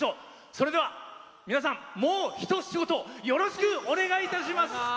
それでは皆さんもう一仕事よろしくお願いいたします！